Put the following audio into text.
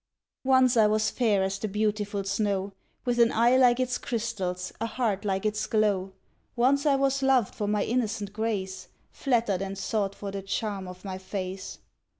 Once I was fair as the beautiful snow, With an eye like its crystals, a heart like its glow; Once I was loved for my innocent grace, Flattered and sought for the charm of my face.